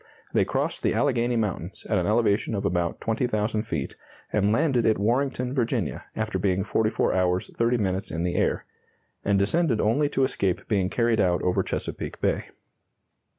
They crossed the Alleghany Mountains at an elevation of about 20,000 feet, and landed at Warrenton, Va., after being 44 hours 30 minutes in the air; and descended only to escape being carried out over Chesapeake Bay.